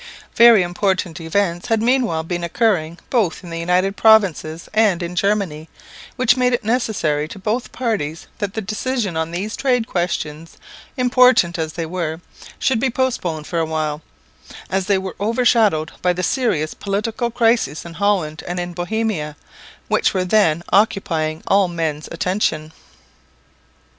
Very important events had meanwhile been occurring both in the United Provinces and in Germany, which made it necessary to both parties that the decision on these trade questions, important as they were, should be postponed for awhile, as they were overshadowed by the serious political crises in Holland and in Bohemia, which were then occupying all men's attention.